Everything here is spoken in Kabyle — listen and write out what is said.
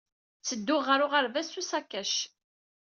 Ttedduɣ ɣer uɣerbaz s usakac.